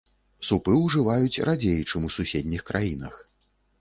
Супы ўжываюць радзей, чым у суседніх краінах.